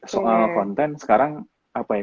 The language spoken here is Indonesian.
soal konten sekarang apa ya